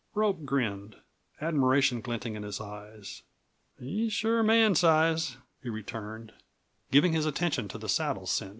Rope grinned, admiration glinting his eyes. "He's sure man's size," he returned, giving his attention to the saddle cinch.